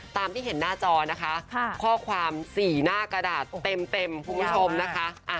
ตามที่เห็นหน้าจอนะคะข้อความ๔หน้ากระดาษเต็มคุณผู้ชมนะคะ